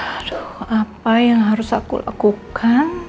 aduh apa yang harus aku lakukan